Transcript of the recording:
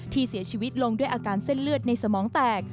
ที่เสียชีวิตลงด้วยอาการเส้นเลือดในสมองแตก